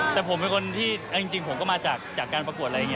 แต่ผมเป็นคนที่เอาจริงผมก็มาจากการประกวดอะไรอย่างนี้